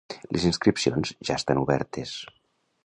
Les inscripcions ja estan obertes.